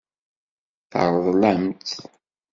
Teṛḍel-am-t.